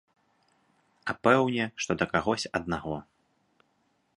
А пэўне, што для кагось аднаго!